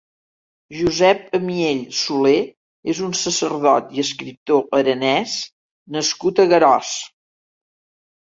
Jusèp Amiell Solè és un sacerdot i escriptor aranès nascut a Garòs.